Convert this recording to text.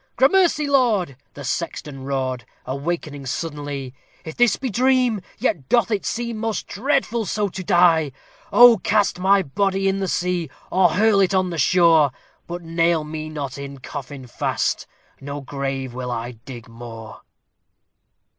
"Gramercy, Lord!" the sexton roared, awakening suddenly, "If this be dream, yet doth it seem most dreadful so to die. Oh, cast my body in the sea! or hurl it on the shore! But nail me not in coffin fast no grave will I dig more."